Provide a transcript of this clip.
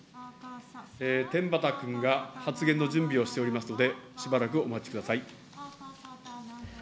天畠君が発言の準備をしておりますので、しばらくお待ちください。